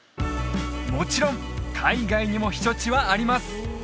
もちろん海外にも避暑地はあります